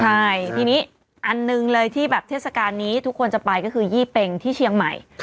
ใช่ทีนี้อันหนึ่งเลยที่แบบเทศกาลนี้ทุกคนจะไปก็คือยี่เป็งที่เชียงใหม่